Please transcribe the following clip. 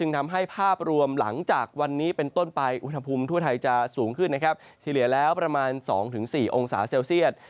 ทำให้ภาพรวมหลังจากวันนี้เป็นต้นไปอุณหภูมิทั่วไทยจะสูงขึ้นนะครับเฉลี่ยแล้วประมาณ๒๔องศาเซลเซียต